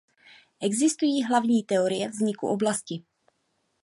Existují hlavní teorie vzniku oblasti.